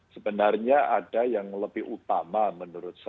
sebenarnya ada yang lebih utama menurut saya